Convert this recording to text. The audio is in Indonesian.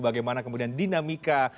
bagaimana kemudian dinamika